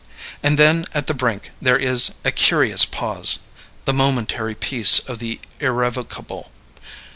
And then, at the brink, there is a curious pause the momentary peace of the irrevocable.